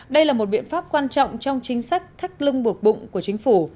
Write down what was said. đây là một biện pháp quan trọng trong chính sách thắt lưng buộc bụng của chính phủ